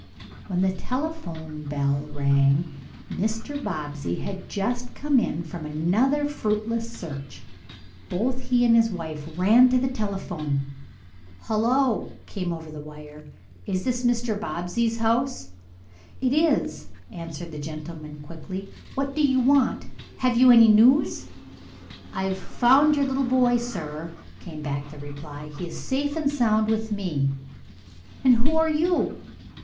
When the telephone bell rang Mr. Bobbsey had just come in from another fruitless search. Both he and his wife ran to the telephone. "Hullo!" came over the wire. "Is this Mr. Bobbsey's house?" "It is," answered the gentleman quickly. "What do you want? Have you any news?" "I've found your little boy, sir," came back the reply. "He is safe and sound with me." "And who are you?"